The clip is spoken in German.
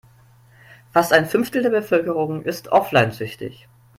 Fast ein Fünftel der Bevölkerung ist offline-süchtig.